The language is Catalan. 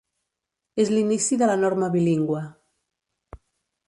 És l'inici de la norma bilingüe.